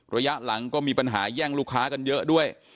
ระยะหลังก็มีปัญหาแย่งลูกค้ากันเยอะด้วย